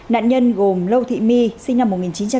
nạn nhân gồm lâu thị my sinh năm một nghìn chín trăm chín mươi bảy